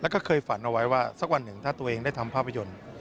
แล้วก็เคยฝันเอาไว้ว่าสักวันหนึ่งถ้าตัวเองได้ทำภาพยนตร์